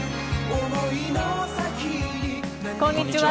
こんにちは。